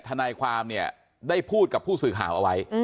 ทนายความเนี่ยได้พูดกับผู้สื่อข่าวเอาไว้